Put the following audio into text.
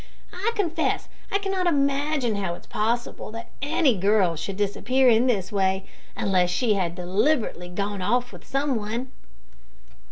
I confess I cannot imagine how it is possible that any girl should disappear in this way, unless she had deliberately gone off with some one."